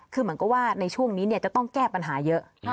คือเหมือนกับว่าในช่วงนี้จะต้องแก้ปัญหาเยอะ